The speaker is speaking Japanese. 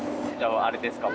あれですか？